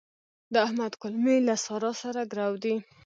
د احمد کولمې له سارا سره ګرو دي.